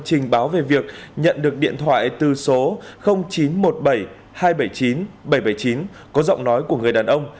trình báo về việc nhận được điện thoại từ số chín trăm một mươi bảy hai trăm bảy mươi chín bảy trăm bảy mươi chín có giọng nói của người đàn ông